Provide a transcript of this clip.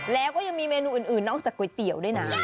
แล้วก็ยังมีเมนูอื่นนอกจากก๋วยเตี๋ยวด้วยนะ